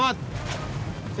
baik nih dulu ya